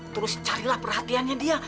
terus carilah perhatiannya dia